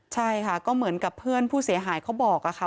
ใช่ค่ะก็เหมือนกับเพื่อนผู้เสียหายเขาบอกค่ะ